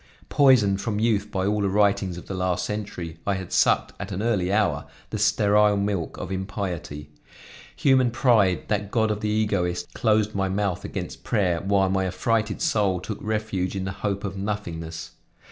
Poisoned, from youth, by all the writings of the last century, I had sucked, at an early hour, the sterile milk of impiety. Human pride, that God of the egoist, closed my mouth against prayer, while my affrighted soul took refuge in the hope of nothingness.